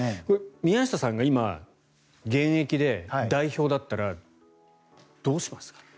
宮下さんが今、現役で代表だったらどうしますか？